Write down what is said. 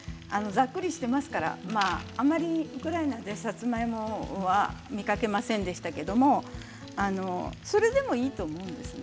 ざっくりしていますからあまりウクライナでさつまいもは見かけませんでしたけれどそれでもいいと思いますよ。